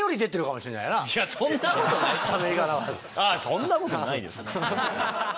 そんなことはないです。